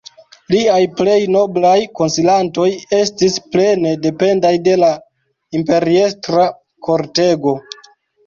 Liaj plej noblaj konsilantoj estis plene dependaj de la imperiestra kortego.